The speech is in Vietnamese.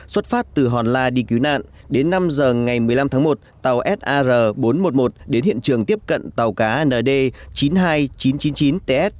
xuất phát từ hòn la đi cứu nạn đến năm h ngày một mươi năm tháng một tàu sar bốn trăm một mươi một đến hiện trường tiếp cận tàu cá nd chín mươi hai nghìn chín trăm chín mươi chín ts